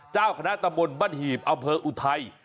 เจ้าคณะตำบลบ้านหีบอำเภออุทัย